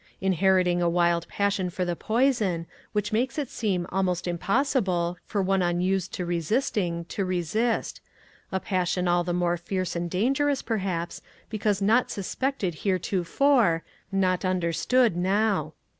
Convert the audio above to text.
Inheriting a wild passion for the poison, which makes it seem almost impossible, for one unused to resisting, to resist — a passion all the more fierce and dangerous, perhaps, because not suspected heretofore, not un derstood now.